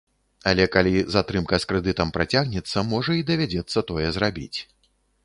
Але калі затрымка з крэдытам працягнецца, можа і давядзецца тое зрабіць.